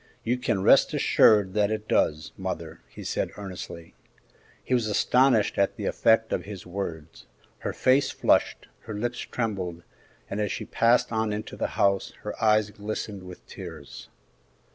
"You can rest assured that it does, mother," he said, earnestly. He was astonished at the effect of his words: her face flushed, her lips trembled, and as she passed on into the house her eyes glistened with tears.